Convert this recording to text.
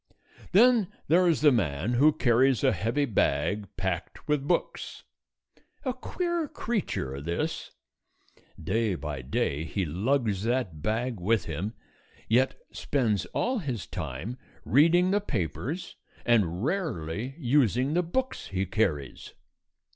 Then there is the man who carries a heavy bag packed with books. A queer creature, this. Day by day he lugs that bag with him yet spends all his time reading the papers and rarely using the books he carries.